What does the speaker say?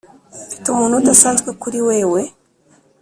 mfite umuntu udasanzwe kuri wewe